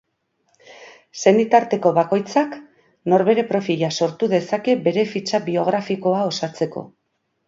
Senitarteko bakoitzak norbere profila sortu dezake bere fitxa biografikoa osatzeko.